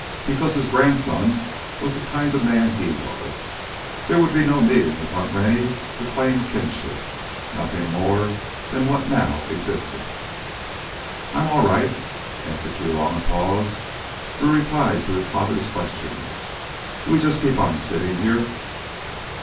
Because his grandson was the kind of man he was, there would be no meeting with Hunt Rennie to claim kinship, nothing more than what now existed. "I'm all right." After too long a pause, Drew replied to his father's question. "Do we just keep on sittin' here?"